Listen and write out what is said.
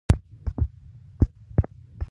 د وفات په ورځ مختلف دریځونه څرګند شول.